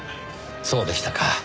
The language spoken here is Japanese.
そうでしたか。